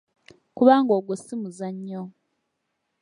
Kubanga ogwo si muzannyo.